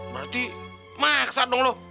berarti maksat dong lo